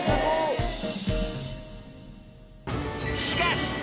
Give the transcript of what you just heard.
［しかし］